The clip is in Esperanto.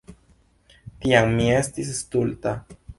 Tiam mi estis stulta.